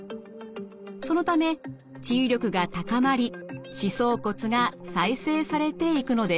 そのため治癒力が高まり歯槽骨が再生されていくのです。